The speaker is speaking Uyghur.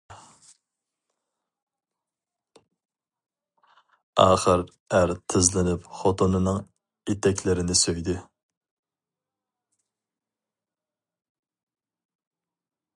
ئاخىر ئەر تىزلىنىپ خوتۇنىنىڭ ئېتەكلىرىنى سۆيدى.